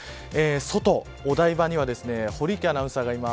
外、お台場には堀池アナウンサーがいます。